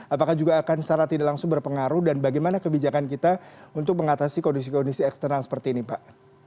apakah juga akan secara tidak langsung berpengaruh dan bagaimana kebijakan kita untuk mengatasi kondisi kondisi eksternal seperti ini pak